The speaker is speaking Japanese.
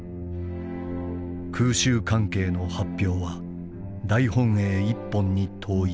空襲関係の発表は大本営一本に統一する」。